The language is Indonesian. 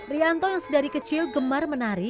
rianto yang sedari kecil gemar menari